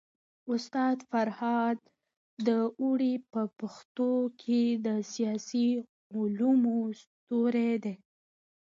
استاد فرهاد داوري په پښتو کي د سياسي علومو ستوری دی.